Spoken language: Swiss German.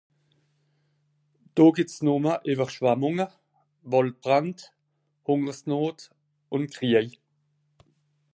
Do gebt's numme Ewerschwemmunge, Waldbrände, Hungersnot un Kriej